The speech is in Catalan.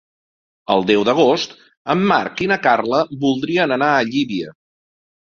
El deu d'agost en Marc i na Carla voldrien anar a Llívia.